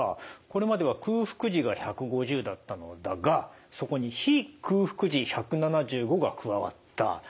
これまでは空腹時が１５０だったのだがそこに非空腹時１７５が加わった。